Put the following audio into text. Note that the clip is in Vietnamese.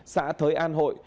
xã thới an hội